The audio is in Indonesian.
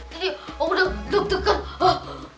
tadi aku udah deg degan